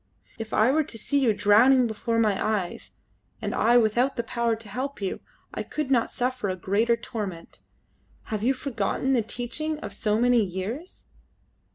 If I were to see you drowning before my eyes, and I without the power to help you, I could not suffer a greater torment. Have you forgotten the teaching of so many years?"